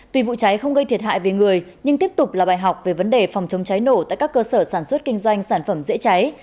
tuy vụ cháy không gây thiệt hại về người nhưng tiếp tục là bài học về vấn đề phòng chống cháy nổ tại các cơ sở sản xuất kinh doanh sản phẩm dễ cháy